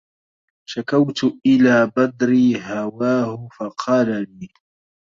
شكوت إِلى بدري هواه فقال لي